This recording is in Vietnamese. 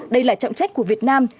đây là trọng trách của việt nam